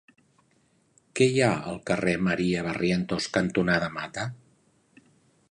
Què hi ha al carrer Maria Barrientos cantonada Mata?